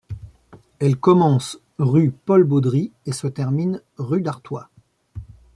Elle commence rue Paul-Baudry et se termine rue d'Artois.